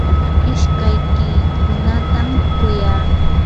ishkaykiykunatam kuyaa.